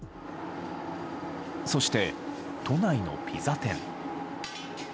そして都内のピザ店。